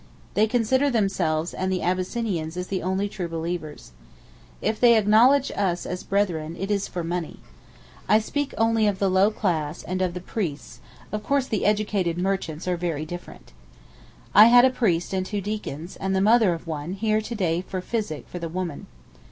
They consider themselves and the Abyssinians as the only true believers. If they acknowledge us as brethren, it is for money. I speak only of the low class, and of the priests; of course the educated merchants are very different. I had two priests and two deacons, and the mother of one, here to day for physic for the woman.